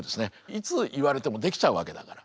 いつ言われてもできちゃうわけだから。